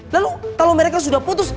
lalu kalau mereka sudah putus